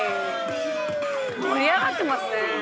盛り上がってますね。